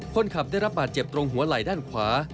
คนขับได้รับบาดเจ็บตรงหัวไหล่ด้านขวา